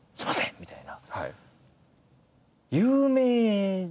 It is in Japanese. みたいな。